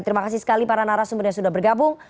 terima kasih sekali para narasumber yang sudah bergabung